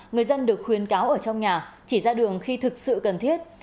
người dân được khuyến cáo ở trong nhà chỉ ra đường khi thực sự cần thiết